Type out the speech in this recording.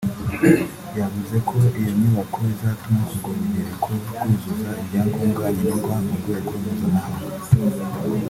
yavuze ko iyo nyubako izatuma urwo rugereko rwuzuza ibyangombwa nkenerwa ku rwego mpuzamahanga